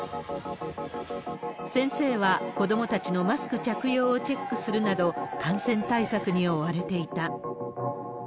先生は子どもたちのマスク着用をチェックするなど、感染対策に追われていた。